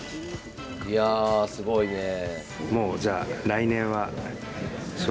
いやすごいねえ。